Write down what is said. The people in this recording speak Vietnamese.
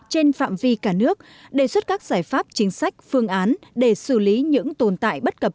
trên phạm vi cả nước đề xuất các giải pháp chính sách phương án để xử lý những tồn tại bất cập